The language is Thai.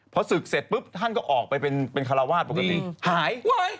พอศึกเสร็จปุ๊บท่านก็ออกไปเป็นคาราวาสปกติหาย